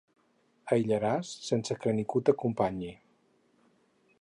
Aïllaràs sense que ningú t'acompanyi.